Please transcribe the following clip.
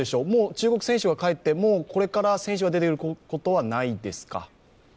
注目選手は帰って、これから選手が出てくることはないですか？